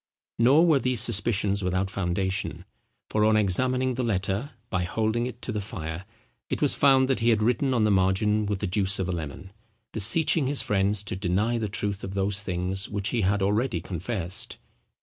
Nor were these suspicions without foundation; for on examining the letter, by holding it to the fire, it was found that he had written on the margin with the juice of a lemon, beseeching his friends to deny the truth of those things which he had already confessed.